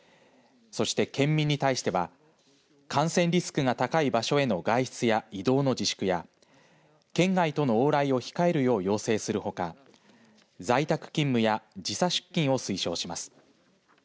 そして、県民に対しては感染リスクが高い場所への外出や移動の自粛や県外との往来を控えるよう要請するほか在宅勤務や時差出勤を推奨します。